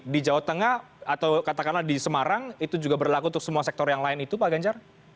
di jawa tengah atau katakanlah di semarang itu juga berlaku untuk semua sektor yang lain itu pak ganjar